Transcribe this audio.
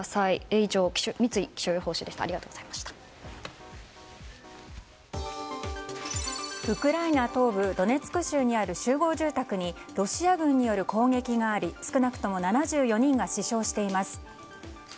以上、三井気象予報士でしたウクライナ東部ドネツク州にある集合住宅にロシア軍による攻撃があり少なくとも７４人が死傷しています。